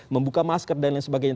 membuka masker dan lain sebagainya